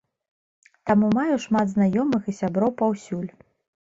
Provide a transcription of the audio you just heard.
Таму маю шмат знаёмых і сяброў паўсюль.